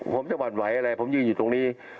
ผมจะหวั่นไหวอะไรผมยืนอยู่ตรงนี้